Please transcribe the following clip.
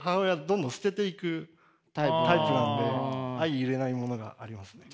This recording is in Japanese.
どんどん捨てていくタイプなんで相いれないものがありますね。